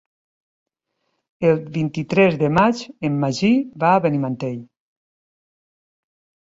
El vint-i-tres de maig en Magí va a Benimantell.